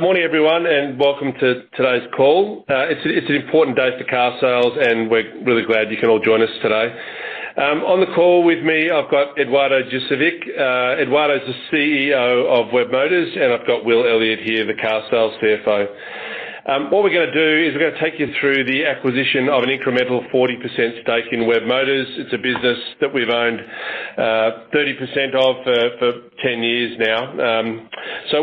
Morning, everyone, and welcome to today's call. It's an important day for CAR Group, and we're really glad you can all join us today. On the call with me, I've got Eduardo Jurcevic. Eduardo is the CEO of Webmotors, and I've got William Elliott here, the CAR Group CFO. What we're gonna do is we're gonna take you through the acquisition of an incremental 40% stake in Webmotors. It's a business that we've owned 30% of for 10 years now.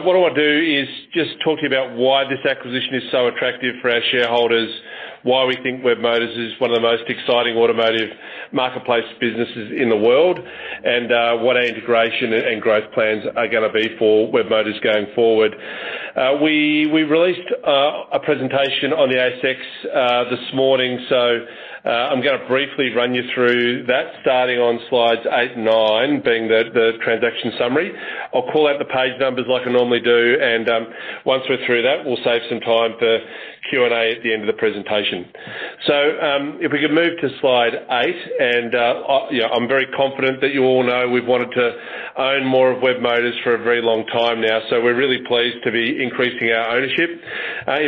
What I wanna do is just talk to you about why this acquisition is so attractive for our shareholders, why we think Webmotors is one of the most exciting automotive marketplace businesses in the world, and what our integration and growth plans are gonna be for Webmotors going forward. We released a presentation on the ASX this morning. I'm gonna briefly run you through that starting on slides eight and nine, being the transaction summary. I'll call out the page numbers like I normally do, and once we're through that, we'll save some time for Q&A at the end of the presentation. If we could move to slide eight, and yeah, I'm very confident that you all know we've wanted to own more of Webmotors for a very long time now, so we're really pleased to be increasing our ownership.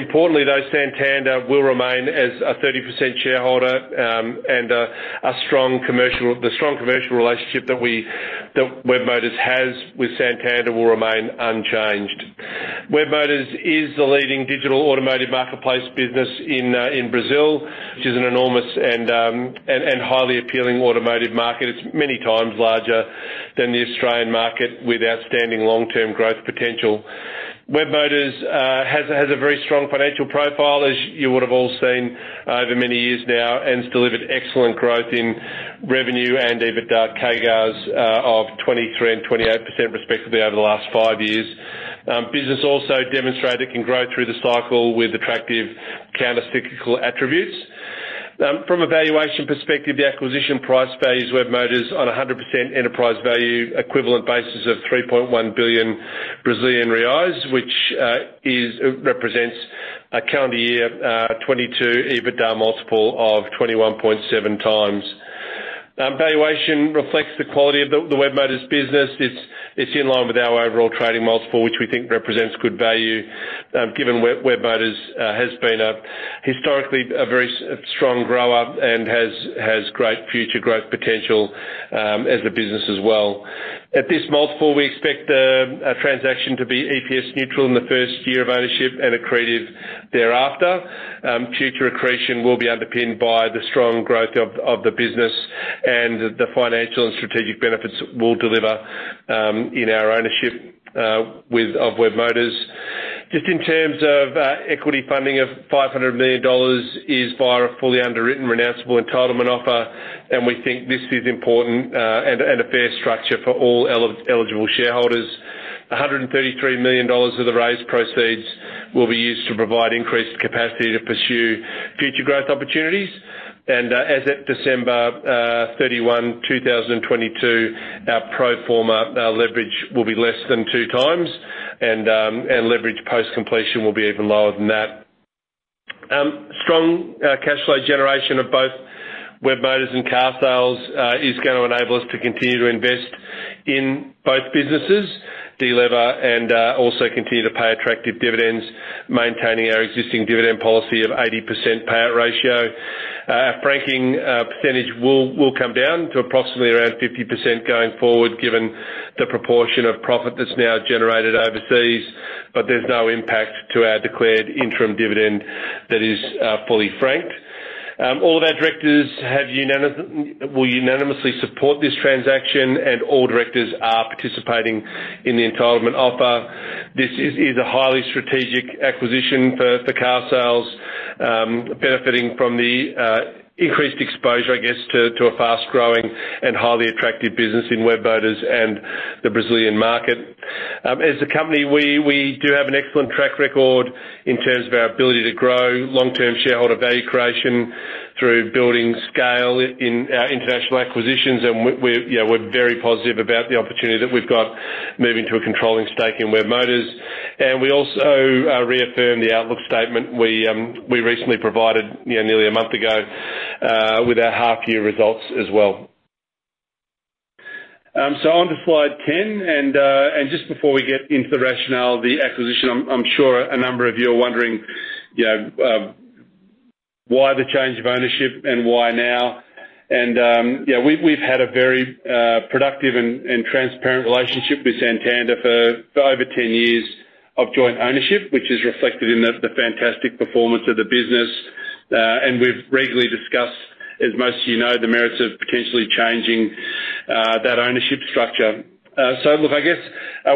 Importantly, though, Santander will remain as a 30% shareholder, and the strong commercial relationship that Webmotors has with Santander will remain unchanged. Webmotors is the leading digital automotive marketplace business in Brazil, which is an enormous and highly appealing automotive market. It's many times larger than the Australian market with outstanding long-term growth potential. Webmotors has a very strong financial profile, as you would've all seen over many years now, and it's delivered excellent growth in revenue and EBITDA CAGRs of 23% and 28% respectively over the last five years. Business also demonstrated it can grow through the cycle with attractive counter-cyclical attributes. From a valuation perspective, the acquisition price values Webmotors on a 100% enterprise value equivalent basis of 3.1 billion Brazilian reais, which represents a calendar year 2022 EBITDA multiple of 21.7x. Valuation reflects the quality of the Webmotors business. It's in line with our overall trading multiple, which we think represents good value, given Webmotors has been a historically a very strong grower and has great future growth potential as a business as well. At this multiple, we expect the transaction to be EPS neutral in the first year of ownership and accretive thereafter. Future accretion will be underpinned by the strong growth of the business and the financial and strategic benefits it will deliver in our ownership of Webmotors. Just in terms of equity funding of $500 million is via a fully underwritten renounceable entitlement offer. We think this is important and a fair structure for all eligible shareholders. 133 million dollars of the raised proceeds will be used to provide increased capacity to pursue future growth opportunities. As at December 31, 2022, our pro forma leverage will be less than 2x and leverage post-completion will be even lower than that. Strong cash flow generation of both Webmotors and CAR Group is gonna enable us to continue to invest in both businesses, delever, and also continue to pay attractive dividends, maintaining our existing dividend policy of 80% payout ratio. Our franking percentage will come down to approximately around 50% going forward given the proportion of profit that's now generated overseas, but there's no impact to our declared interim dividend that is fully franked. All of our directors will unanimously support this transaction, and all directors are participating in the entitlement offer. This is a highly strategic acquisition for Carsales, benefiting from the increased exposure, I guess, to a fast-growing and highly attractive business in Webmotors and the Brazilian market. As a company, we do have an excellent track record in terms of our ability to grow long-term shareholder value creation through building scale in our international acquisitions, we're, you know, we're very positive about the opportunity that we've got moving to a controlling stake in Webmotors. We also reaffirm the outlook statement we recently provided, you know, nearly a month ago, with our half-year results as well. On to slide 10, and just before we get into the rationale of the acquisition, I'm sure a number of you are wondering, you know, why the change of ownership and why now. Yeah, we've had a very productive and transparent relationship with Santander for over 10 years of joint ownership, which is reflected in the fantastic performance of the business. We've regularly discussed, as most of you know, the merits of potentially changing that ownership structure. Look, I guess,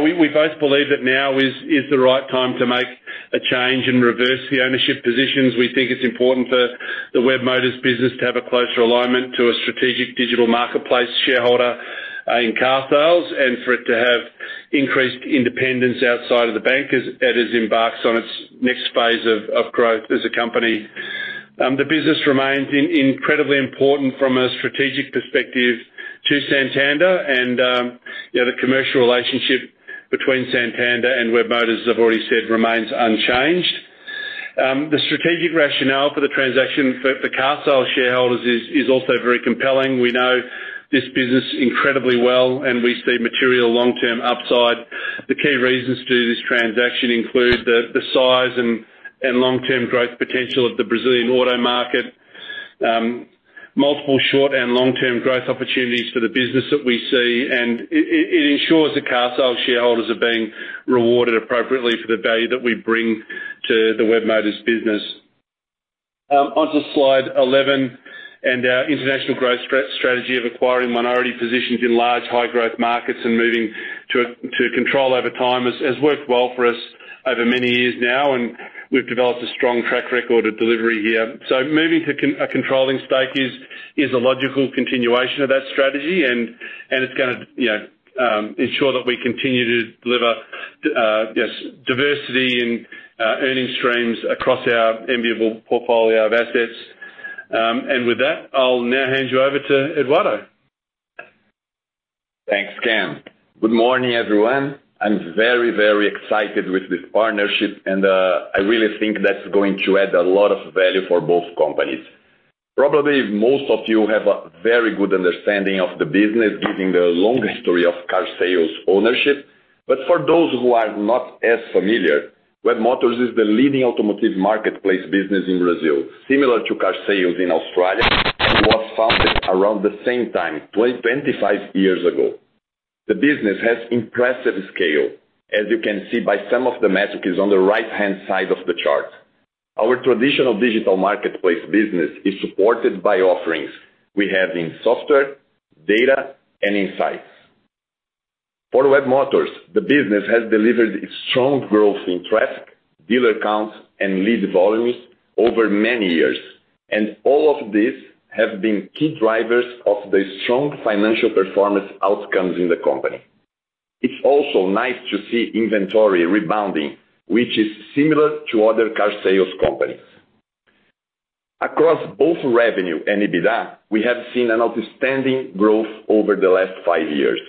we both believe that now is the right time to make a change and reverse the ownership positions. We think it's important for the Webmotors business to have a closer alignment to a strategic digital marketplace shareholder, in Carsales, and for it to have increased independence outside of the bank as it embarks on its next phase of growth as a company. The business remains incredibly important from a strategic perspective to Santander and, you know, the commercial relationship between Santander and Webmotors, as I've already said, remains unchanged. The strategic rationale for the transaction for Carsales shareholders is also very compelling. We know this business incredibly well, and we see material long-term upside. The key reasons to do this transaction include the size and long-term growth potential of the Brazilian auto market. Multiple short- and long-term growth opportunities for the business that we see, it ensures the Carsales shareholders are being rewarded appropriately for the value that we bring to the Webmotors business. Onto Slide 11. Our international growth strategy of acquiring minority positions in large, high-growth markets and moving to control over time has worked well for us over many years now, and we've developed a strong track record of delivery here. Moving to a controlling stake is a logical continuation of that strategy and it's gonna, you know, ensure that we continue to deliver, yes, diversity and earning streams across our enviable portfolio of assets. With that, I'll now hand you over to Eduardo. Thanks, Cameron. Good morning, everyone. I'm very excited with this partnership. I really think that's going to add a lot of value for both companies. Probably most of you have a very good understanding of the business, given the long history of Carsales ownership. For those who are not as familiar, Webmotors is the leading automotive marketplace business in Brazil. Similar to Carsales in Australia, it was founded around the same time, 25 years ago. The business has impressive scale, as you can see by some of the metrics on the right-hand side of the chart. Our traditional digital marketplace business is supported by offerings we have in software, data, and insights. For Webmotors, the business has delivered strong growth in traffic, dealer counts, and lead volumes over many years. All of these have been key drivers of the strong financial performance outcomes in the company. It's also nice to see inventory rebounding, which is similar to other CAR Group companies. Across both revenue and EBITDA, we have seen an outstanding growth over the last five years.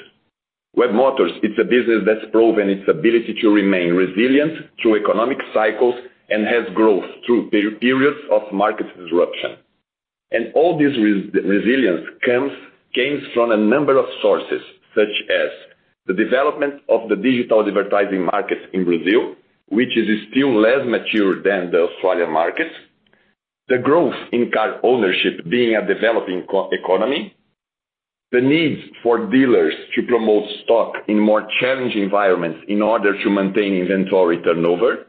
Webmotors is a business that's proven its ability to remain resilient through economic cycles and has growth through periods of market disruption. All this resilience comes from a number of sources, such as the development of the digital advertising market in Brazil, which is still less mature than the Australian market. The growth in car ownership being a developing co-economy. The need for dealers to promote stock in more challenging environments in order to maintain inventory turnover.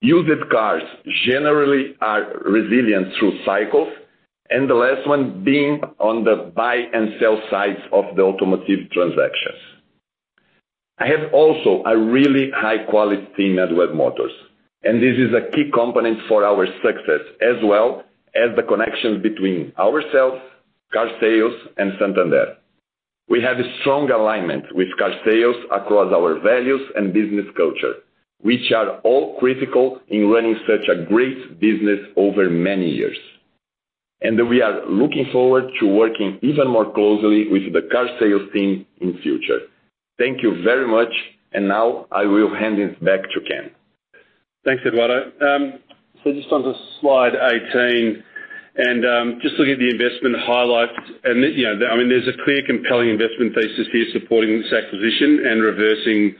Used cars generally are resilient through cycles. The last one being on the buy and sell sides of the automotive transactions. I have also a really high-quality team at Webmotors. This is a key component for our success, as well as the connection between ourselves, Carsales, and Santander. We have a strong alignment with Carsales across our values and business culture, which are all critical in running such a great business over many years. We are looking forward to working even more closely with the Carsales team in future. Thank you very much. Now I will hand it back to Cameron. Thanks, Eduardo. Just onto Slide 18, just looking at the investment highlights. You know, I mean, there's a clear compelling investment thesis here supporting this acquisition and reversing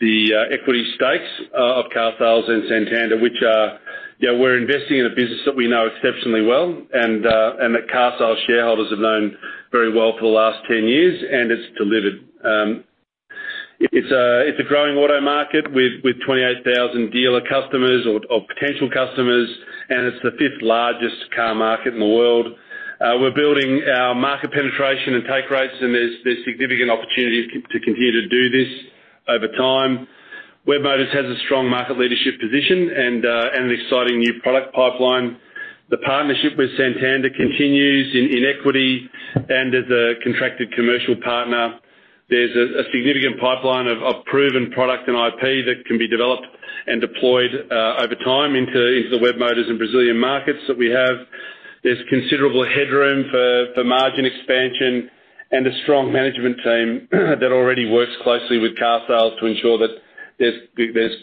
the equity stakes of Carsales and Santander, which are. You know, we're investing in a business that we know exceptionally well and that Carsales shareholders have known very well for the last 10 years, and it's delivered. It's a growing auto market with 28,000 dealer customers or potential customers. It's the 5th largest car market in the world. We're building our market penetration and take rates. There's significant opportunities to continue to do this over time. Webmotors has a strong market leadership position. An exciting new product pipeline. The partnership with Santander continues in equity and as a contracted commercial partner. There's a significant pipeline of proven product and IP that can be developed and deployed over time into the Webmotors and Brazilian markets that we have. There's considerable headroom for margin expansion and a strong management team that already works closely with Carsales to ensure that there's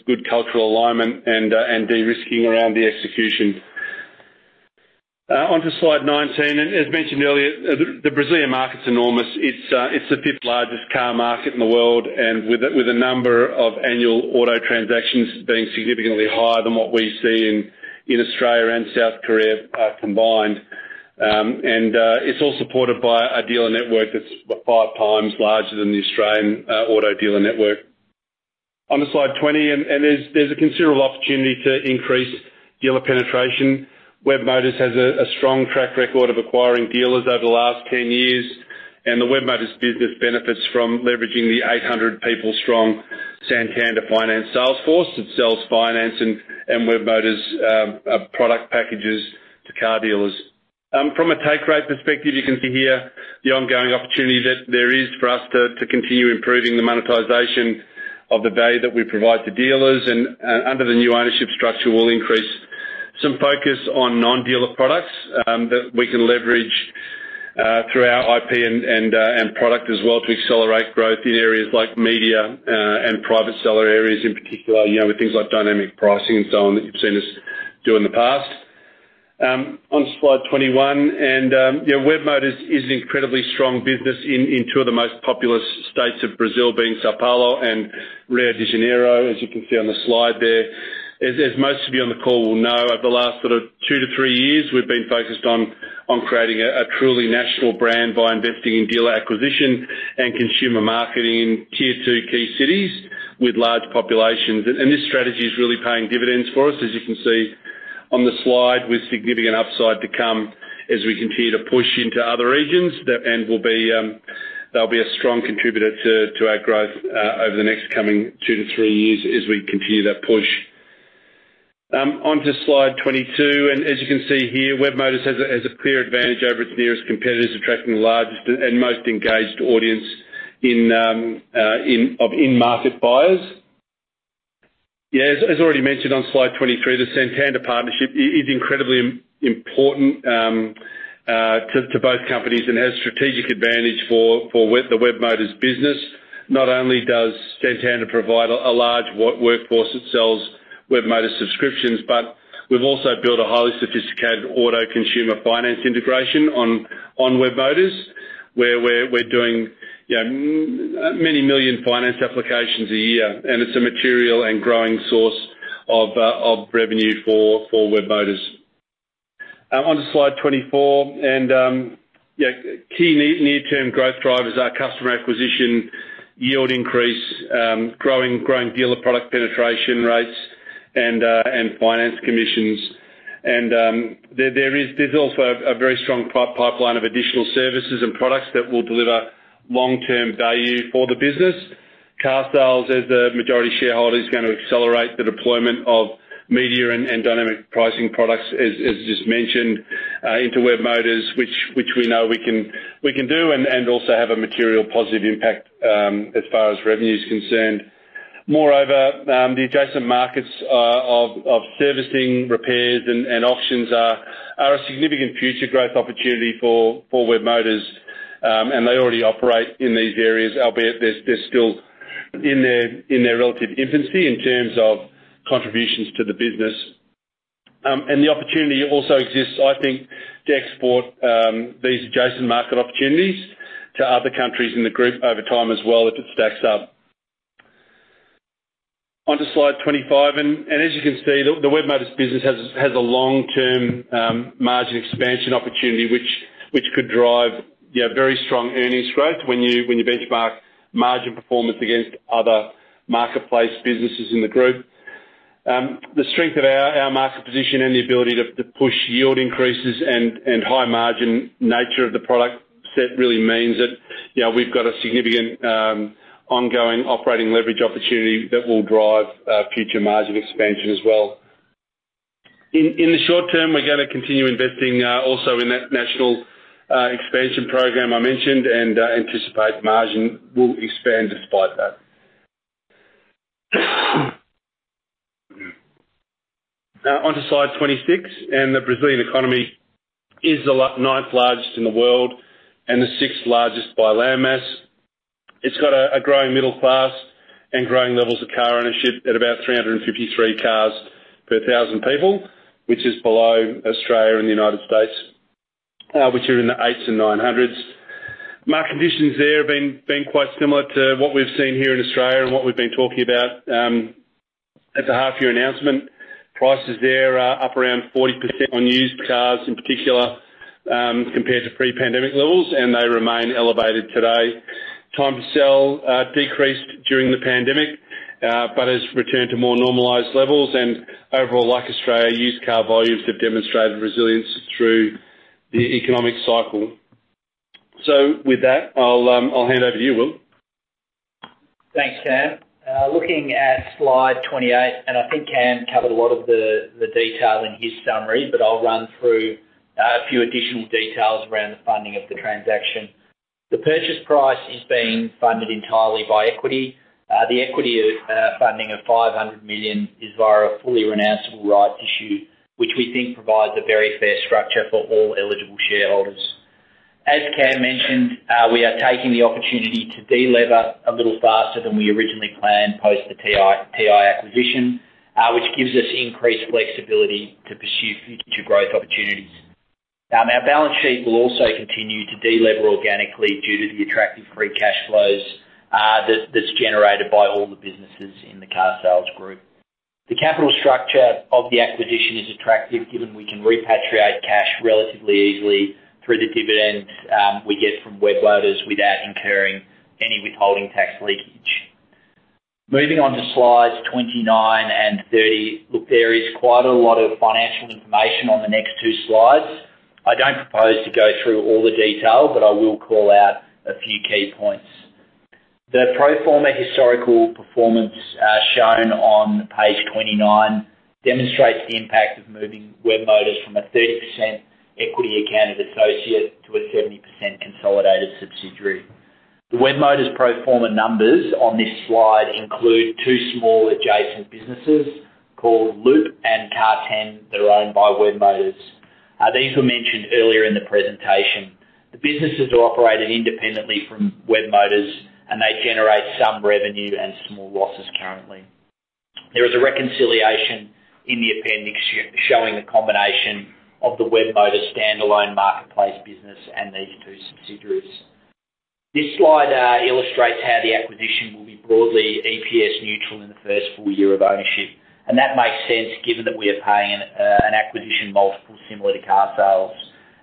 good cultural alignment and de-risking around the execution. Onto Slide 19. As mentioned earlier, the Brazilian market's enormous. It's the fifth largest car market in the world, and with a number of annual auto transactions being significantly higher than what we see in Australia and South Korea combined. It's all supported by a dealer network that's five times larger than the Australian auto dealer network. Onto Slide 20. There's a considerable opportunity to increase dealer penetration. Webmotors has a strong track record of acquiring dealers over the last 10 years, and the Webmotors business benefits from leveraging the 800 people-strong Santander consumer finance sales force that sells finance and Webmotors product packages to car dealers. From a take rate perspective, you can see here the ongoing opportunity that there is for us to continue improving the monetization of the value that we provide to dealers. Under the new ownership structure, we'll increase some focus on non-dealer products that we can leverage through our IP and product as well to accelerate growth in areas like media and private seller areas in particular. You know, with things like dynamic pricing and so on that you've seen us do in the past. On slide 21, Webmotors is an incredibly strong business in two of the most populous states of Brazil, being São Paulo and Rio de Janeiro, as you can see on the slide there. As most of you on the call will know, over the last sort of 2-3 years, we've been focused on creating a truly national brand by investing in dealer acquisition and consumer marketing in tier two key cities with large populations. And this strategy is really paying dividends for us, as you can see on the slide, with significant upside to come as we continue to push into other regions. They'll be a strong contributor to our growth over the next coming 2-3 years as we continue that push. Onto Slide 22, as you can see here, Webmotors has a clear advantage over its nearest competitors, attracting the largest and most engaged audience of in-market buyers. As already mentioned on Slide 23, the Santander partnership is incredibly important to both companies and has strategic advantage for the Webmotors business. Not only does Santander provide a large workforce that sells Webmotors subscriptions, but we've also built a highly sophisticated auto consumer finance integration on Webmotors, where we're doing, you know, many million finance applications a year, and it's a material and growing source of revenue for Webmotors. Onto Slide 24, key near-term growth drivers are customer acquisition, yield increase, growing dealer product penetration rates and finance commissions. There's also a very strong pipeline of additional services and products that will deliver long-term value for the business. CarSales, as the majority shareholder, is gonna accelerate the deployment of media and dynamic pricing products, as just mentioned, into Webmotors, which we know we can do and also have a material positive impact as far as revenue is concerned. Moreover, the adjacent markets of servicing repairs and auctions are a significant future growth opportunity for Webmotors, and they already operate in these areas, albeit they're still in their relative infancy in terms of contributions to the business. The opportunity also exists, I think, to export these adjacent market opportunities to other countries in the group over time as well, if it stacks up. Onto slide 25, as you can see, the Webmotors business has a long-term margin expansion opportunity, which could drive, yeah, very strong earnings growth when you benchmark margin performance against other marketplace businesses in the group. The strength of our market position and the ability to push yield increases and high margin nature of the product set really means that, you know, we've got a significant ongoing operating leverage opportunity that will drive future margin expansion as well. In the short term, we're gonna continue investing also in that national expansion program I mentioned, and anticipate margin will expand despite that. Onto slide 26, the Brazilian economy is the ninth largest in the world and the sixth largest by landmass. It's got a growing middle class and growing levels of car ownership at about 353 cars per thousand people, which is below Australia and the United States, which are in the 800s and 900s. Market conditions there have been quite similar to what we've seen here in Australia and what we've been talking about at the half year announcement. Prices there are up around 40% on used cars in particular, compared to pre-pandemic levels, and they remain elevated today. Time to sell decreased during the pandemic, but has returned to more normalized levels. Overall, like Australia, used car volumes have demonstrated resilience through the economic cycle. With that, I'll hand over to you, William. Thanks, Cameron. Looking at slide 28, I think Cam covered a lot of the detail in his summary, but I'll run through a few additional details around the funding of the transaction. The purchase price is being funded entirely by equity. The equity funding of $500 million is via a fully renounceable rights issue, which we think provides a very fair structure for all eligible shareholders. As Cam mentioned, we are taking the opportunity to de-lever a little faster than we originally planned post the TI acquisition, which gives us increased flexibility to pursue future growth opportunities. Our balance sheet will also continue to de-lever organically due to the attractive free cash flows that's generated by all the businesses in the CAR Group. The capital structure of the acquisition is attractive, given we can repatriate cash relatively easily through the dividends, we get from Webmotors without incurring any withholding tax leakage. Moving on to slides 29 and 30. There is quite a lot of financial information on the next two slides. I don't propose to go through all the detail, but I will call out a few key points. The pro forma historical performance, shown on page 29 demonstrates the impact of moving Webmotors from a 30% equity-accounted associate to a 70% consolidated subsidiary. The Webmotors pro forma numbers on this slide include two small adjacent businesses called Loop and Carzen. They're owned by Webmotors. These were mentioned earlier in the presentation. The businesses are operated independently from Webmotors, and they generate some revenue and small losses currently. There is a reconciliation in the appendix showing the combination of the Webmotors standalone marketplace business and these two subsidiaries. This slide illustrates how the acquisition will be broadly EPS neutral in the first full year of ownership. That makes sense given that we are paying an acquisition multiple similar to carsales.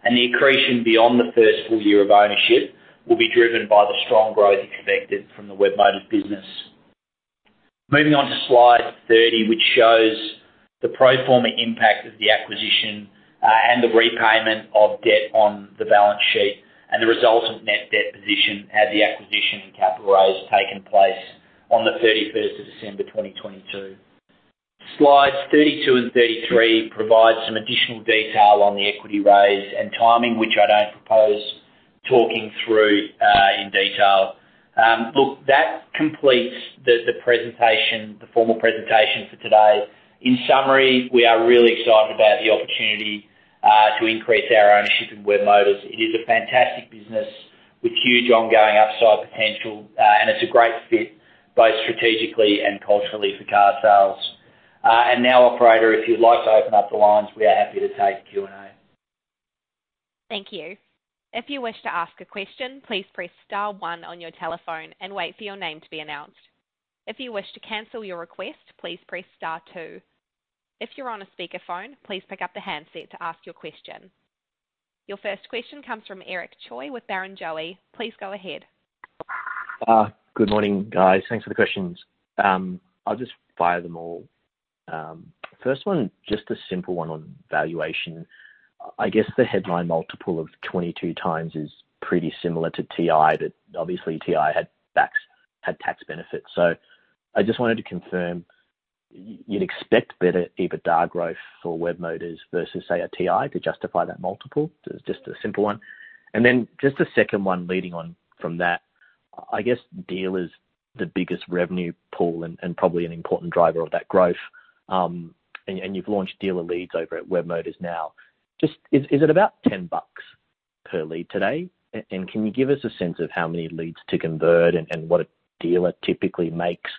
The accretion beyond the first full year of ownership will be driven by the strong growth expected from the Webmotors business. Moving on to slide 30, which shows the pro forma impact of the acquisition, and the repayment of debt on the balance sheet and the results of net debt position had the acquisition and capital raise taken place on the 31st of December 2022. Slides 32 and 33 provide some additional detail on the equity raise and timing, which I don't propose talking through, in detail. Look, that completes the presentation, the formal presentation for today. In summary, we are really excited about the opportunity, to increase our ownership in Webmotors. It is a fantastic business with huge ongoing upside potential. And it's a great fit both strategically and culturally for CAR Group. Now operator, if you'd like to open up the lines, we are happy to take Q&A. Thank you. If you wish to ask a question, please press star one on your telephone and wait for your name to be announced. If you wish to cancel your request, please press star two. If you're on a speakerphone, please pick up the handset to ask your question. Your first question comes from Eric Choi with Barrenjoey. Please go ahead. Good morning, guys. Thanks for the questions. I'll just fire them all. First one, just a simple one on valuation. I guess the headline multiple of 22x is pretty similar to TI. Obviously, TI had tax benefits. I just wanted to confirm you'd expect better EBITDA growth for Webmotors versus, say, a TI to justify that multiple. Just a simple one. Just a second one leading on from that. I guess dealer's the biggest revenue pool and probably an important driver of that growth. You've launched dealer leads over at Webmotors now. Is it about 10 bucks per lead today? Can you give us a sense of how many leads to convert and what a dealer typically makes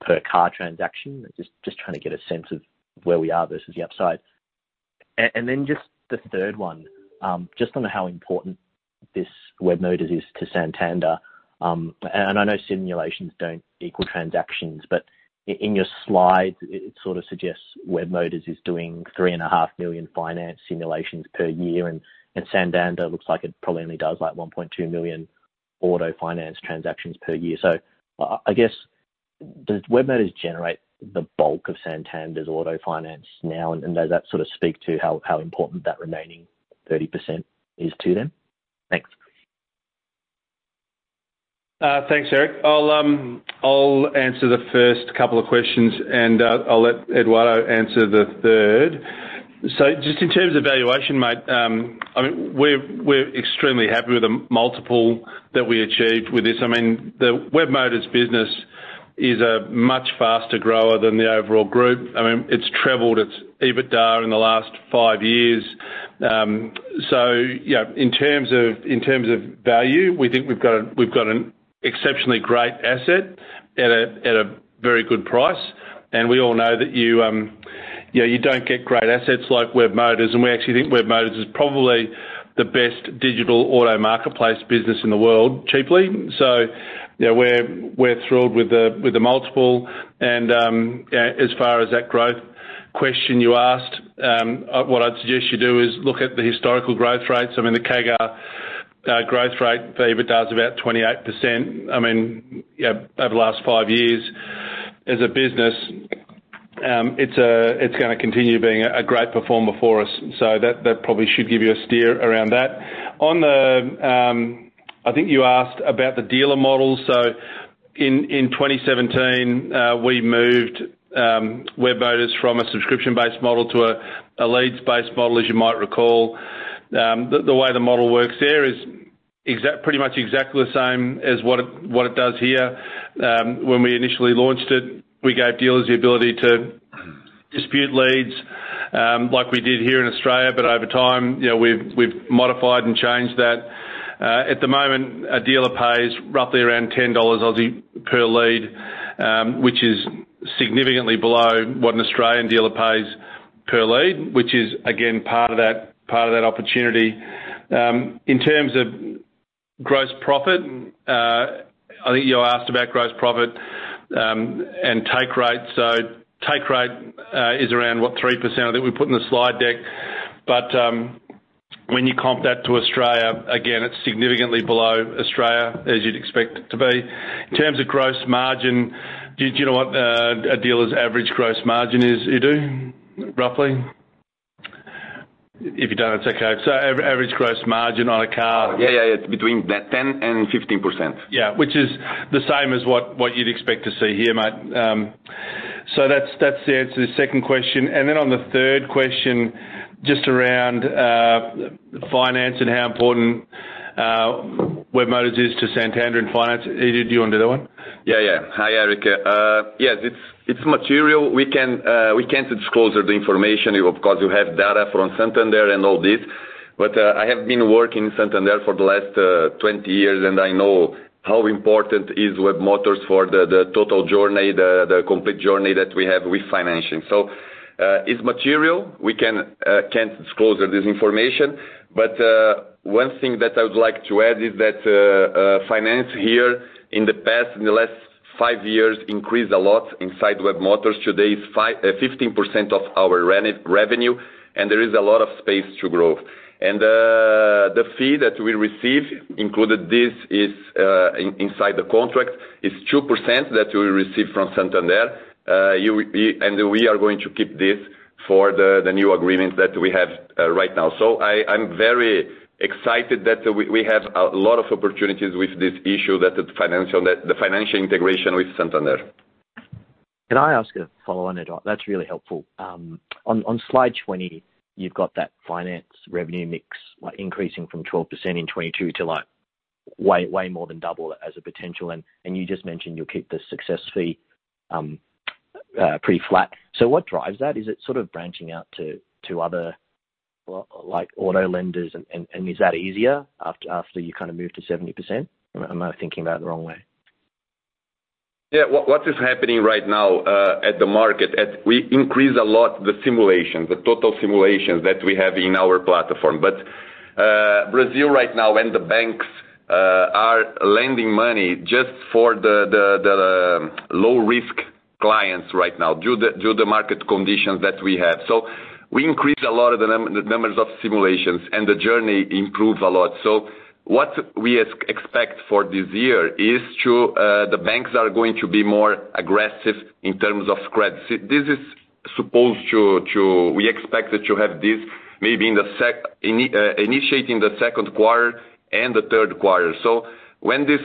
per car transaction? Just trying to get a sense of where we are versus the upside. Then just the third one, just on how important this Webmotors is to Santander. I know simulations don't equal transactions, but in your slides it sort of suggests Webmotors is doing 3.5 million finance simulations per year, and Santander looks like it probably only does, like, 1.2 million auto finance transactions per year. I guess does Webmotors generate the bulk of Santander's auto finance now? Does that sort of speak to how important that remaining 30% is to them? Thanks. Thanks, Eric. I'll answer the first couple of questions and I'll let Eduardo answer the third. Just in terms of valuation, mate, I mean, we're extremely happy with the multiple that we achieved with this. I mean, the Webmotors business is a much faster grower than the overall group. I mean, it's tripled its EBITDA in the last five years. You know, in terms of value, we think we've got an exceptionally great asset at a very good price. We all know that you know, you don't get great assets like Webmotors, and we actually think Webmotors is probably the best digital auto marketplace business in the world, cheaply. You know, we're thrilled with the, with the multiple and, as far as that growth question you asked, what I'd suggest you do is look at the historical growth rates. I mean, the CAGR growth rate for EBITDA is about 28%. I mean, you know, over the last five years as a business, it's gonna continue being a great performer for us. That, that probably should give you a steer around that. On the, I think you asked about the dealer model. In, in 2017, we moved Webmotors from a subscription-based model to a leads-based model, as you might recall. The, the way the model works there is pretty much exactly the same as what it, what it does here. When we initially launched it, we gave dealers the ability to dispute leads, like we did here in Australia. Over time, you know, we've modified and changed that. At the moment, a dealer pays roughly around 10 Aussie dollars per lead, which is significantly below what an Australian dealer pays per lead, which is again, part of that opportunity. In terms of gross profit, I think you asked about gross profit and take rate. Take rate is around, what? 3% I think we put in the slide deck. When you comp that to Australia, again, it's significantly below Australia, as you'd expect it to be. In terms of gross margin, do you know what a dealer's average gross margin is, Eduardo, roughly? If you don't, it's okay. average gross margin on a car-. Yeah, yeah. It's between 10 and 15%. Yeah. Which is the same as what you'd expect to see here, mate. That's the answer to the second question. Then on the third question, just around finance and how important Webmotors is to Santander and finance. Eduardo, do you want to do that one? Yeah, yeah. Hi, Eric. Yes, it's material. We can't disclose the information because you have data from Santander and all this. I have been working Santander for the last 20 years, and I know how important is Webmotors for the total journey, the complete journey that we have with financing. It's material. We can't disclose this information. One thing that I would like to add is that finance here in the past, in the last 5 years, increased a lot inside Webmotors. Today, 15% of our revenue, and there is a lot of space to grow. The fee that we receive included this is inside the contract, is 2% that we receive from Santander. We are going to keep this for the new agreement that we have right now. I'm very excited that we have a lot of opportunities with this issue that the financial integration with Santander. Can I ask a follow on Eduardo? That's really helpful. On slide 20, you've got that finance revenue mix increasing from 12% in 2022 to way more than double as a potential. You just mentioned you'll keep the success fee pretty flat. What drives that? Is it sort of branching out to other auto lenders and is that easier after you kind of move to 70%? Am I thinking about it the wrong way? What is happening right now, at the market, as we increase a lot the simulation, the total simulations that we have in our platform. Brazil right now and the banks are lending money just for the low risk clients right now due the market conditions that we have. We increase a lot of the numbers of simulations and the journey improve a lot. What we expect for this year is to the banks are going to be more aggressive in terms of credit. This is supposed to we expect that to have this maybe in the initiating the second quarter and the third quarter. When this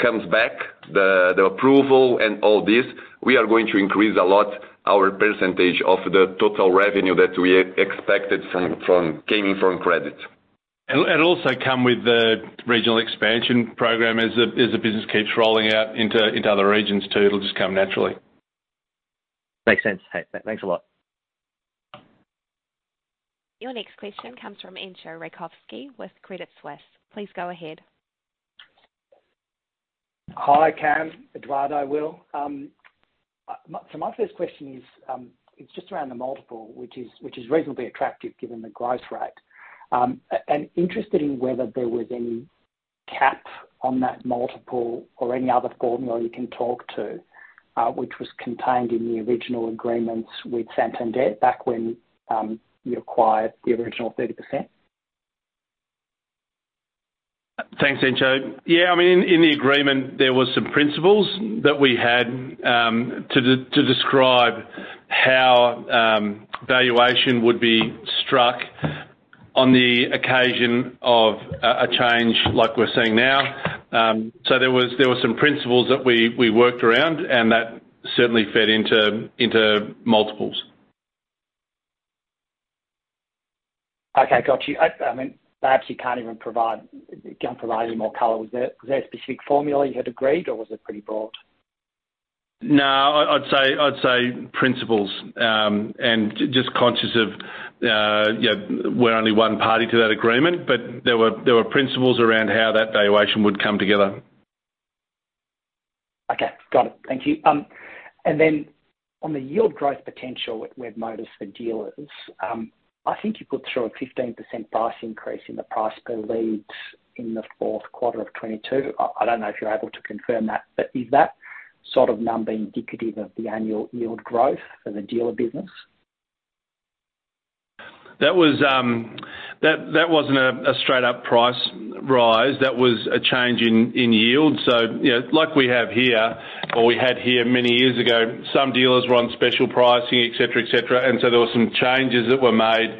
comes back, the approval and all this, we are going to increase a lot our percentage of the total revenue that we expected came in from credit. Also come with the regional expansion program as the business keeps rolling out into other regions too. It'll just come naturally. Makes sense. Hey, thanks a lot. Your next question comes from Entcho Raykovski with Credit Suisse. Please go ahead. Hi, Cameron. Eduardo, William. My first question is, it's just around the multiple, which is, which is reasonably attractive given the growth rate. Interested in whether there was any cap on that multiple or any other formula you can talk to, which was contained in the original agreements with Santander back when, you acquired the original 30%. Thanks, Entcho. Yeah, I mean, in the agreement, there was some principles that we had, to describe how valuation would be struck on the occasion of a change like we're seeing now. There was some principles that we worked around, and that certainly fed into multiples. Okay. Got you. I mean, perhaps you can't provide any more color. Was there a specific formula you had agreed, or was it pretty broad? I'd say principles, and just conscious of, you know, we're only one party to that agreement. There were principles around how that valuation would come together. Okay. Got it. Thank you. On the yield growth potential with Webmotors for dealers, I think you put through a 15% price increase in the price per leads in the fourth quarter of 2022. I don't know if you're able to confirm that, but is that sort of number indicative of the annual yield growth for the dealer business? That wasn't a straight up price rise. That was a change in yield. You know, like we have here or we had here many years ago, some dealers were on special pricing, et cetera, et cetera. There were some changes that were made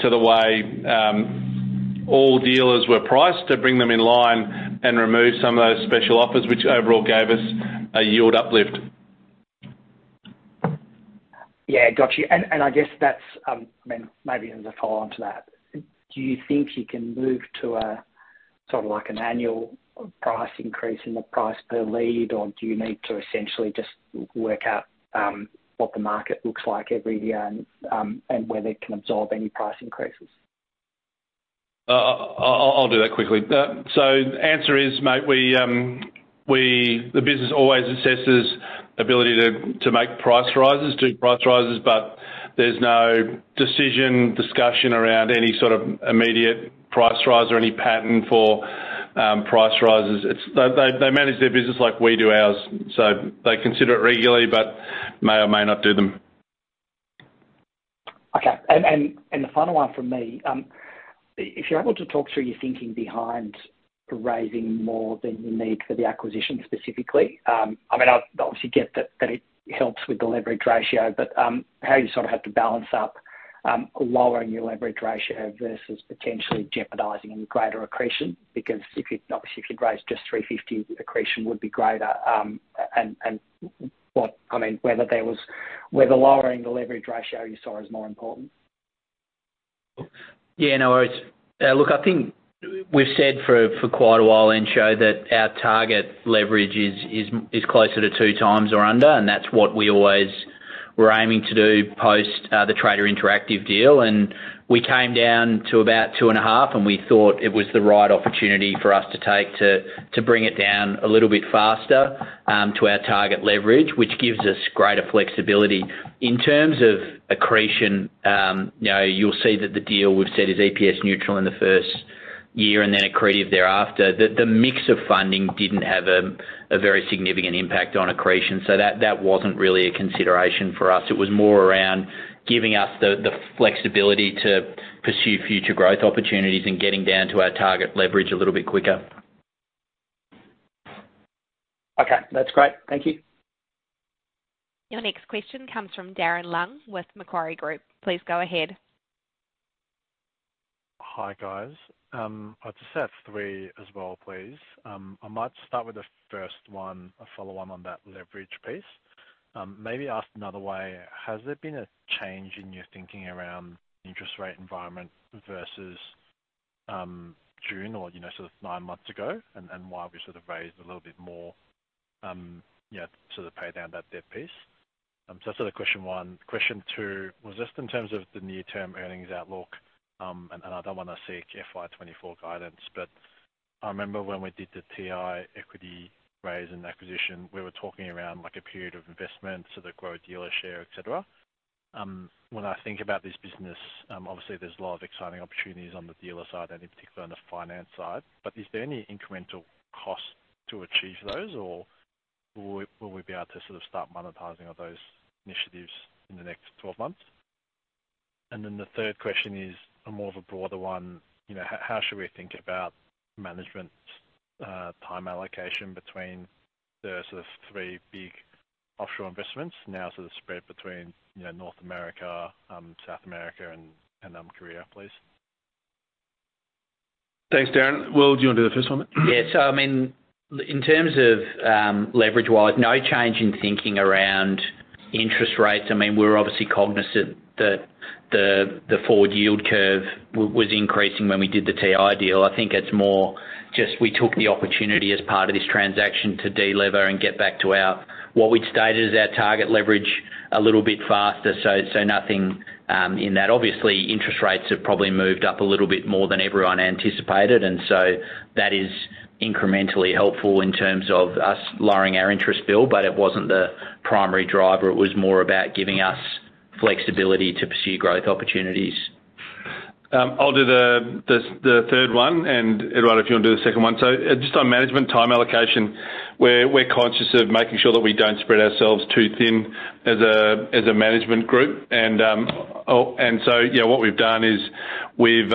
to the way all dealers were priced to bring them in line and remove some of those special offers, which overall gave us a yield uplift. Yeah. Got you. I guess that's, I mean, maybe as a follow on to that. Do you think you can move to a sort of like an annual price increase in the price per lead? Do you need to essentially just work out, what the market looks like every year and whether it can absorb any price increases? I'll do that quickly. The answer is, mate, we, the business always assesses ability to make price rises, do price rises, but there's no decision, discussion around any sort of immediate price rise or any pattern for price rises. They manage their business like we do ours, so they consider it regularly but may or may not do them. Okay. The final one from me, if you're able to talk through your thinking behind raising more than you need for the acquisition specifically, I mean, I obviously get that it helps with the leverage ratio, but how you sort of have to balance up. Lowering your leverage ratio versus potentially jeopardizing any greater accretion. If you, obviously, if you raise just 350, accretion would be greater, and I mean, whether lowering the leverage ratio you saw is more important. Yeah, no worries. Look, I think we've said for quite a while, Entcho, that our target leverage is closer to 2x or under, and that's what we always were aiming to do post the Trader Interactive deal. We came down to about two and a half, and we thought it was the right opportunity for us to take to bring it down a little bit faster to our target leverage, which gives us greater flexibility. In terms of accretion, you know, you'll see that the deal we've said is EPS neutral in the first year and then accretive thereafter. The mix of funding didn't have a very significant impact on accretion, so that wasn't really a consideration for us. It was more around giving us the flexibility to pursue future growth opportunities and getting down to our target leverage a little bit quicker. Okay. That's great. Thank you. Your next question comes from Darren Leung with Macquarie Group. Please go ahead. Hi, guys. I'll just ask three as well, please. I might start with the first one, a follow-on on that leverage piece. Maybe asked another way, has there been a change in your thinking around interest rate environment versus June or, you know, sort of nine months ago, why we sort of raised a little bit more, you know, to sort of pay down that debt piece? That's sort of question one. Question two, was just in terms of the near-term earnings outlook, I don't wanna seek FY2024 guidance, but I remember when we did the TI equity raise and acquisition, we were talking around, like, a period of investment, so the growth dealer share, et cetera. When I think about this business, obviously there's a lot of exciting opportunities on the dealer side and in particular on the finance side. Is there any incremental cost to achieve those, or will we be able to sort of start monetizing of those initiatives in the next 12 months? The third question is a more of a broader one. You know, how should we think about management's time allocation between the sort of 3 big offshore investments now sort of spread between, you know, North America, South America and Korea, please? Thanks, Darren. Will, do you wanna do the first one? Yeah. I mean, in terms of leverage-wise, no change in thinking around interest rates. I mean, we're obviously cognizant that the forward yield curve was increasing when we did the TI deal. I think it's more just we took the opportunity as part of this transaction to de-lever and get back to our, what we'd stated as our target leverage a little bit faster. Nothing in that. Obviously, interest rates have probably moved up a little bit more than everyone anticipated, that is incrementally helpful in terms of us lowering our interest bill, but it wasn't the primary driver. It was more about giving us flexibility to pursue growth opportunities. I'll do the third one and, Eduardo, if you wanna do the second one. Just on management time allocation, we're conscious of making sure that we don't spread ourselves too thin as a management group. Oh, and so, you know, what we've done is we've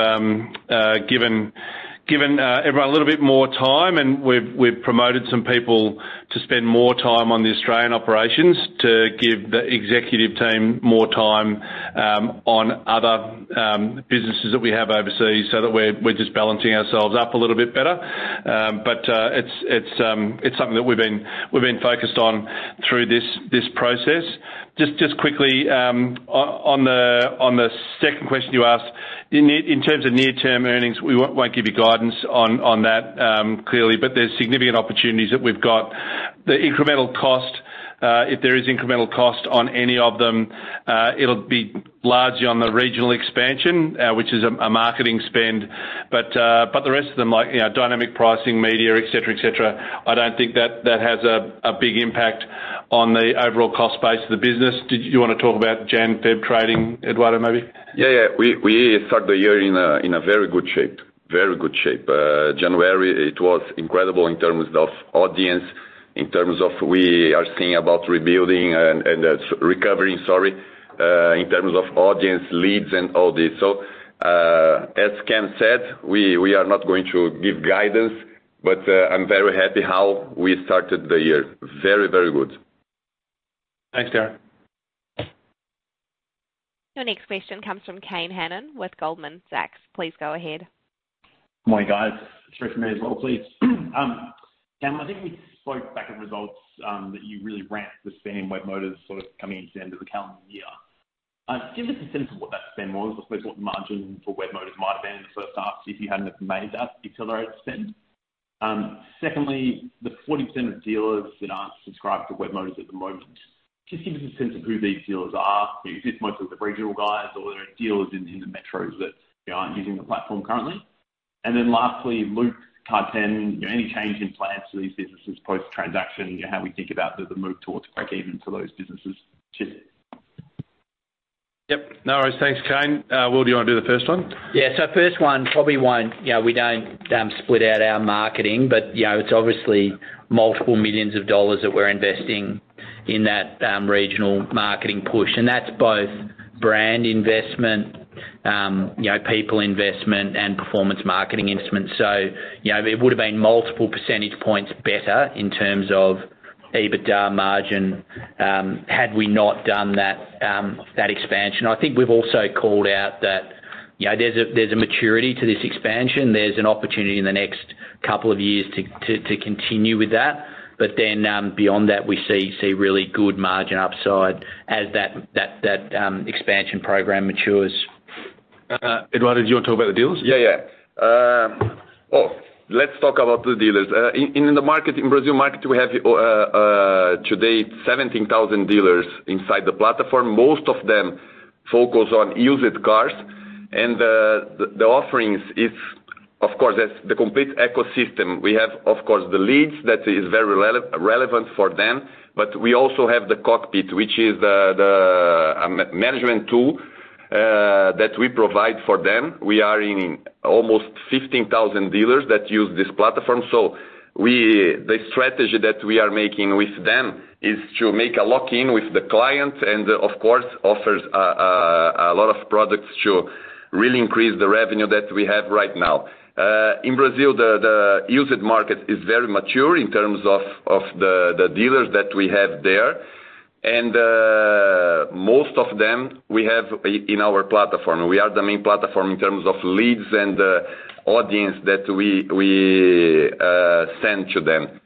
given everyone a little bit more time, and we've promoted some people to spend more time on the Australian operations to give the executive team more time on other businesses that we have overseas so that we're just balancing ourselves up a little bit better. It's, it's something that we've been focused on through this process. Just quickly on the second question you asked, in terms of near-term earnings, we won't give you guidance on that clearly, but there's significant opportunities that we've got. The incremental cost, if there is incremental cost on any of them, it'll be largely on the regional expansion, which is a marketing spend. But the rest of them, like, you know, dynamic pricing, media, et cetera, et cetera, I don't think that has a big impact on the overall cost base of the business. Did you wanna talk about Jan/Feb trading, Eduardo, maybe? Yeah. We start the year in a very good shape. Very good shape. January, it was incredible in terms of audience, in terms of we are seeing about rebuilding and recovering, sorry, in terms of audience leads and all this. As Cameron said, we are not going to give guidance, but I'm very happy how we started the year. Very good. Thanks, Darren. Your next question comes from Kane Hannan with Goldman Sachs. Please go ahead. Morning, guys. Three for me as well, please. Cameron, I think we spoke back at results that you really ramped the spend in Webmotors sort of coming into the end of the calendar year. Give us a sense of what that spend was, I suppose, what the margin for Webmotors might have been in the first half if you hadn't have made that accelerated spend. Secondly, the 40% of dealers that aren't subscribed to Webmotors at the moment, just give us a sense of who these dealers are. Is this mostly the regional guys or are there dealers in the metros that aren't using the platform currently? Lastly, Luke, Car10, any change in plans for these businesses post-transaction? You know, how we think about the move towards breakeven for those businesses too. Yep. No worries. Thanks, Kane. Will, do you wanna do the first one? Yeah. First one, probably won't. You know, we don't split out our marketing, but, you know, it's obviously multiple millions of AUD that we're investing in that regional marketing push, and that's both brand investment, you know, people investment and performance marketing instruments. You know, it would've been multiple percentage points better in terms of EBITDA margin had we not done that expansion. I think we've also called out that, you know, there's a maturity to this expansion. There's an opportunity in the next couple of years to continue with that. Beyond that, we see really good margin upside as that expansion program matures. Eduardo, do you wanna talk about the dealers? Yeah, yeah. Let's talk about the dealers. In the market, in Brazil market, we have today 17,000 dealers inside the platform. Most of them focus on used cars. The offerings is, of course, that's the complete ecosystem. We have, of course, the leads that is very relevant for them. We also have the Cockpit, which is the management tool that we provide for them. We are in almost 15,000 dealers that use this platform. The strategy that we are making with them is to make a lock-in with the client and of course, offers a lot of products to really increase the revenue that we have right now. In Brazil, the used market is very mature in terms of the dealers that we have there. Most of them we have in our platform. We are the main platform in terms of leads and audience that we send to them.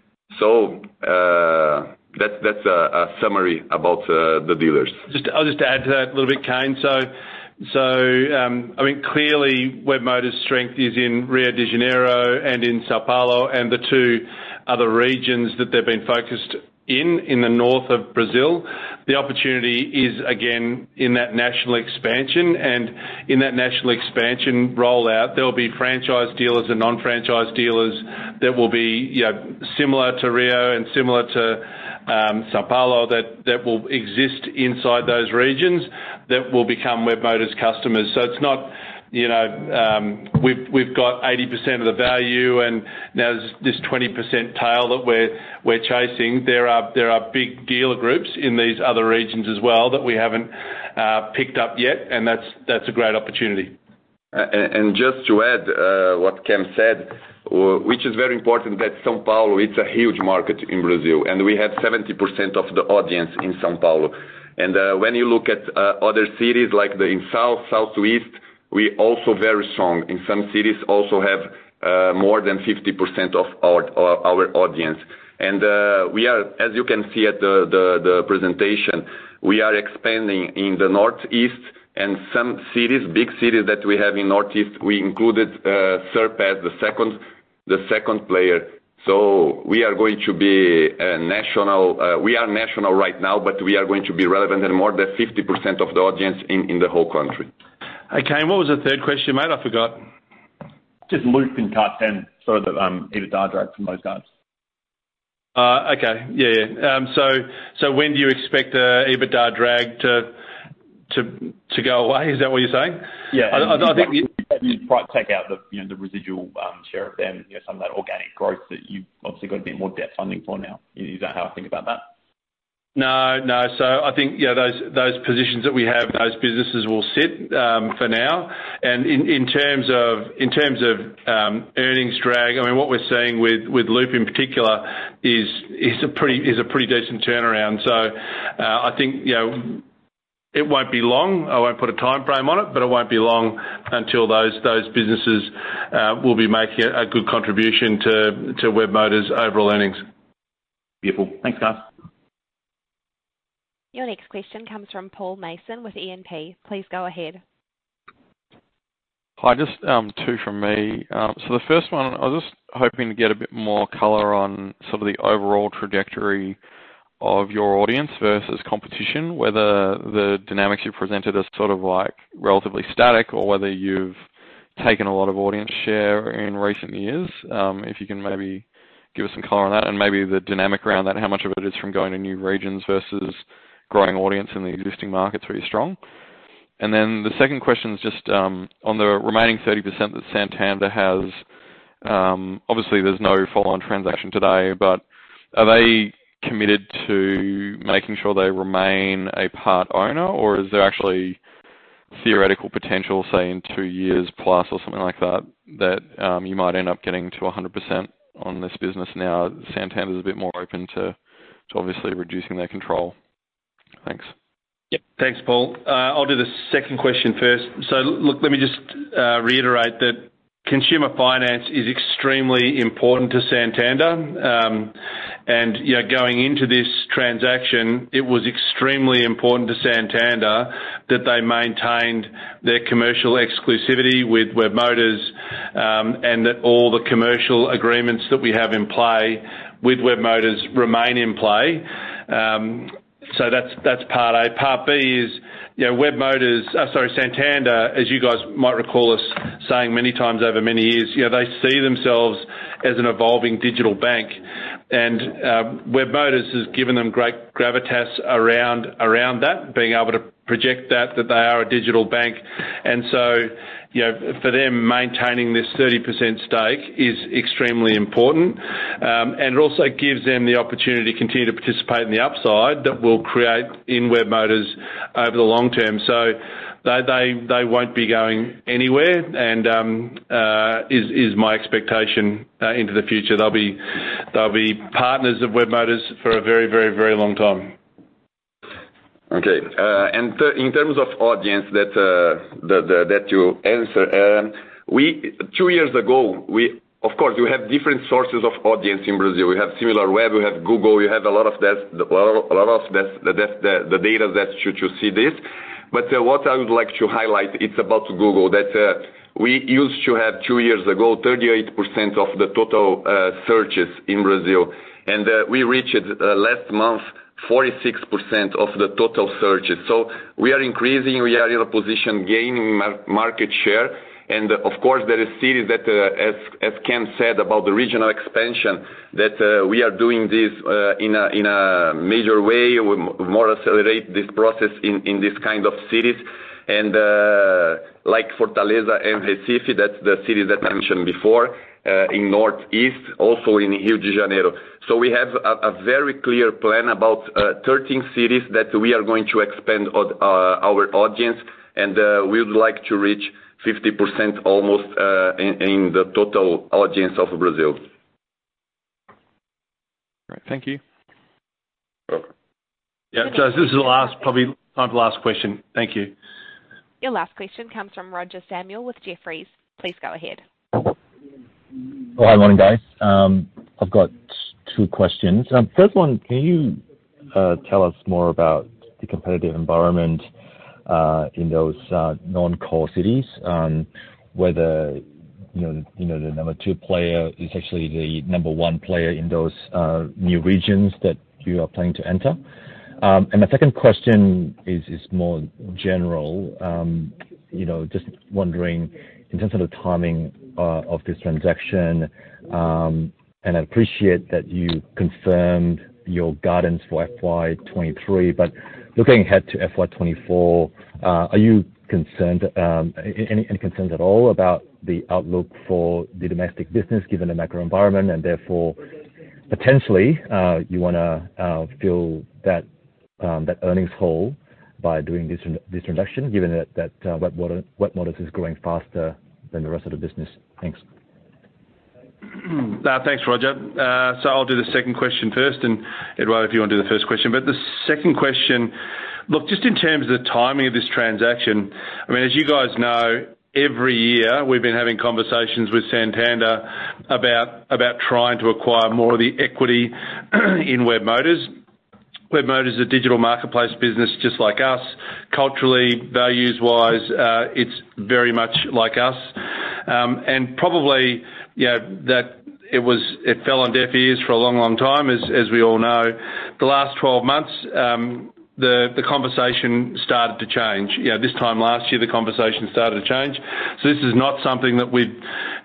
That's a summary about the dealers. I'll just add to that a little bit, Kane. I mean, clearly, Webmotors' strength is in Rio de Janeiro and in São Paulo and the two other regions that they've been focused in the north of Brazil. The opportunity is, again, in that national expansion, and in that national expansion rollout, there'll be franchise dealers and non-franchise dealers that will be, you know, similar to Rio and similar to São Paulo, that will exist inside those regions that will become Webmotors customers. It's not, you know, we've got 80% of the value, and now there's this 20% tail that we're chasing. There are big dealer groups in these other regions as well that we haven't picked up yet, and that's a great opportunity. Just to add what Cam said, which is very important, that São Paulo, it's a huge market in Brazil, and we have 70% of the audience in São Paulo. When you look at other cities like the in South, Southeast, we also very strong. In some cities also have more than 50% of our audience. We are, as you can see at the presentation, we are expanding in the Northeast and some cities, big cities that we have in Northeast, we included Serpa as the second player. We are national right now, but we are going to be relevant in more than 50% of the audience in the whole country. Hey, Kane, what was the third question, mate? I forgot. Just Loop and Car10, sort of, EBITDA drag from those guys. Okay. Yeah, yeah. When do you expect EBITDA drag to go away? Is that what you're saying? Yeah. I think You'd probably take out the, you know, the residual share of them. You know, some of that organic growth that you've obviously got a bit more debt funding for now. Is that how I think about that? No. I think, you know, those positions that we have, those businesses will sit for now. In terms of earnings drag, I mean, what we're seeing with Loop in particular is a pretty decent turnaround. I think, you know, it won't be long. I won't put a timeframe on it, but it won't be long until those businesses will be making a good contribution to Webmotors' overall earnings. Beautiful. Thanks, guys. Your next question comes from Paul Mason with E&P. Please go ahead. Hi. Just two from me. The first one, I was just hoping to get a bit more color on sort of the overall trajectory of your audience versus competition, whether the dynamics you presented are sort of like relatively static or whether you've taken a lot of audience share in recent years? If you can maybe give us some color on that and maybe the dynamic around that, how much of it is from going to new regions versus growing audience in the existing markets where you're strong? The second question is just on the remaining 30% that Santander has, obviously there's no follow-on transaction today, but are they committed to making sure they remain a part-owner, or is there actually theoretical potential, say in two years plus or something like that you might end up getting to 100% on this business now that Santander is a bit more open to obviously reducing their control? Thanks. Thanks, Paul. I'll do the second question first. Look, let me just reiterate that consumer finance is extremely important to Santander. You know, going into this transaction, it was extremely important to Santander that they maintained their commercial exclusivity with Webmotors, that all the commercial agreements that we have in play with Webmotors remain in play. That's, that's part A. Part B is, you know, Santander, as you guys might recall us saying many times over many years, you know, they see themselves as an evolving digital bank. Webmotors has given them great gravitas around that, being able to project that they are a digital bank. You know, for them, maintaining this 30% stake is extremely important. It also gives them the opportunity to continue to participate in the upside that we'll create in Webmotors over the long term. They won't be going anywhere, and is my expectation into the future. They'll be partners of Webmotors for a very long time. Okay. In terms of audience that you answer, two years ago, of course you have different sources of audience in Brazil. We have Similarweb, we have Google, we have a lot of desk, the data desk should you see this. What I would like to highlight it's about Google that, we used to have two years ago, 38% of the total searches in Brazil. We reached last month 46% of the total searches. We are increasing, we are in a position gaining market share. Of course, there are cities that, as Cam said about the regional expansion, that, we are doing this in a major way. We more accelerate this process in these kind of cities and like Fortaleza and Recife, that's the cities that I mentioned before, in Northeast, also in Rio de Janeiro. We have a very clear plan about 13 cities that we are going to expand our audience and we would like to reach 50% almost in the total audience of Brazil. Great. Thank you. Sure. Yeah. This is the last, probably time for last question. Thank you. Your last question comes from Roger Samuel with Jefferies. Please go ahead. Well, hi morning guys. I've got two questions. First one, can you tell us more about the competitive environment in those non-core cities? Whether, you know, the number two player is actually the number one player in those new regions that you are planning to enter. My second question is more general. You know, just wondering in terms of the timing of this transaction, and I appreciate that you confirmed your guidance for FY23, but looking ahead to FY24, are you concerned, any concerns at all about the outlook for the domestic business given the macro environment and therefore potentially, you wanna fill that earnings hole by doing this transaction, given that Webmotors is growing faster than the rest of the business? Thanks. Thanks, Roger. I'll do the second question first, and Eduardo, if you wanna do the first question. The second question, look, just in terms of the timing of this transaction, I mean, as you guys know, every year we've been having conversations with Santander about trying to acquire more of the equity in Webmotors. Webmotors is a digital marketplace business just like us. Culturally, values-wise, it's very much like us. Probably, you know, that it fell on deaf ears for a long, long time as we all know. The last 12 months, the conversation started to change. You know, this time last year, the conversation started to change. This is not something that we've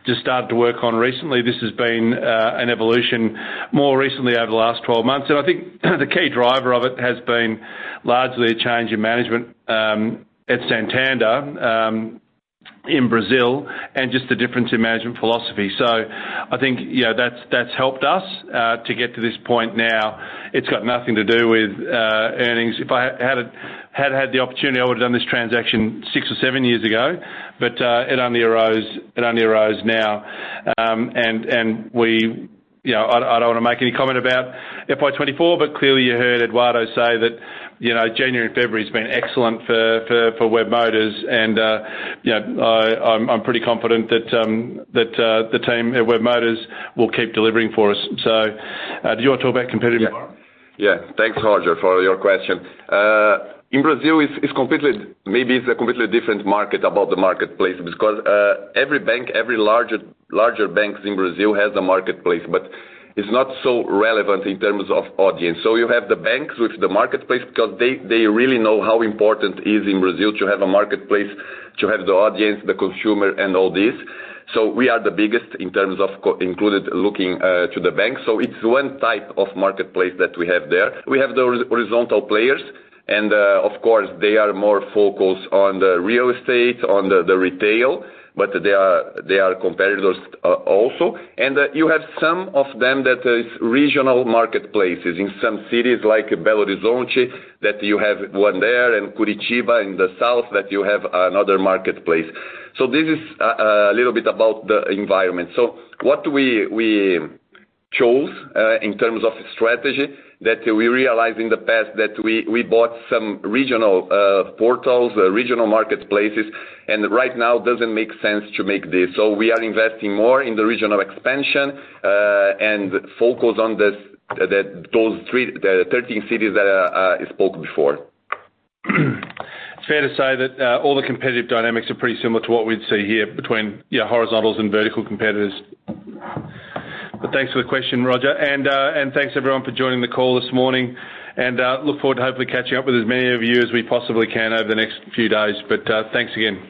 just started to work on recently. This has been an evolution more recently over the last 12 months. I think the key driver of it has been largely a change in management at Santander in Brazil, and just the difference in management philosophy. I think, you know, that's helped us to get to this point now. It's got nothing to do with earnings. If I had the opportunity, I would've done this transaction six or seven years ago. It only arose now. We, you know, I don't wanna make any comment about FY24, but clearly you heard Eduardo say that, you know, January and February has been excellent for Webmotors and, you know, I'm pretty confident that the team at Webmotors will keep delivering for us. Do you wanna talk about competitive environment? Thanks Roger for your question. In Brazil it's completely different market about the marketplace because every bank, every larger banks in Brazil has a marketplace, but it's not so relevant in terms of audience. You have the banks with the marketplace 'cause they really know how important is in Brazil to have a marketplace, to have the audience, the consumer and all this. We are the biggest in terms of included looking to the bank. It's one type of marketplace that we have there. We have the horizontal players and of course they are more focused on the real estate, on the retail, but they are competitors also. You have some of them that is regional marketplaces in some cities like Belo Horizonte, that you have one there, and Curitiba in the south, that you have another marketplace. This is a little bit about the environment. What we chose in terms of strategy that we realized in the past that we bought some regional portals, regional marketplaces, and right now it doesn't make sense to make this. We are investing more in the regional expansion and focus on this, the 13 cities that I spoke before. It's fair to say that all the competitive dynamics are pretty similar to what we'd see here between, you know, horizontals and vertical competitors. Thanks for the question, Roger. Thanks everyone for joining the call this morning and look forward to hopefully catching up with as many of you as we possibly can over the next few days. Thanks again.